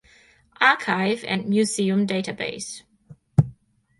Archive and Museum Database.